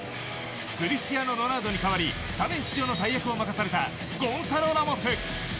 クリスティアーノ・ロナウドに代わりスタメン出場の大役を任されたラモス。